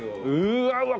うわうわ